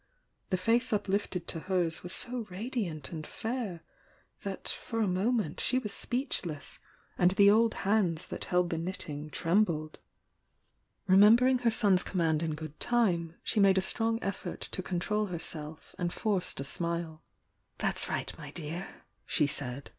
The face up lifted to hers was so radiant and fair that for a moment she was speechless, and the old hands that held the knitting trembled. Remembering her son's command in good time, she made a strong effort to control herself, and forced a smile. "That's right, my dear!" she said.